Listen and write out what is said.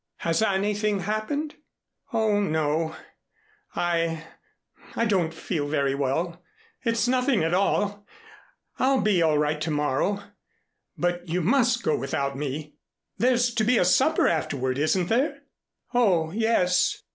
Has anything happened?" "Oh, no, I I don't feel very well. It's nothing at all. I'll be all right to morrow. But you must go without me. There's to be supper afterward, isn't there?" "Oh, yes."